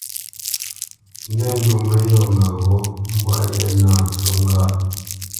Nə̂t ndu mə́yɔ̂ mə́ghó mbwâ ye nâ, ncu ŋgâʼ.